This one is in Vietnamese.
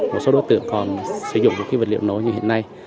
một số đối tượng còn sử dụng vật liệu nổ như hiện nay